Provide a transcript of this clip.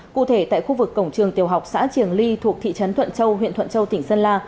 cụ thể tại khu vực cổng trường tiểu học xã triềng ly thuộc thị trấn thuận châu huyện thuận châu tỉnh sơn la